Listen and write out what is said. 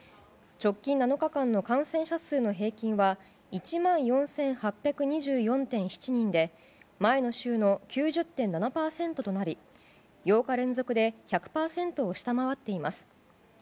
直近７日間の感染者数の平均は１万４８２４．７人で前の週の９０．７％となり８日連続で１００％を下回っています。